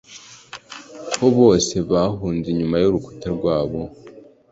ko bose bahunze inyuma y'urukuta rwabo